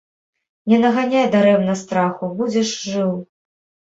Не наганяй дарэмна страху, будзеш жыў.